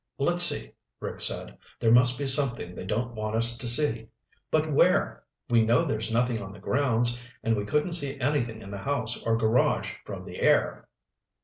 "Let's see," Rick said. "There must be something they don't want us to see. But where? We know there's nothing on the grounds, and we couldn't see anything in the house or garage from the air."